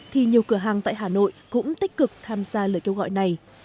thì nhiều cửa hàng tại hà nội cũng tích cực tham gia lời kêu gọi này